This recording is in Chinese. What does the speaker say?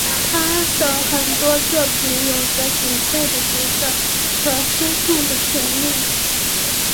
他的很多作品有着紧凑的节奏和粗犷的旋律。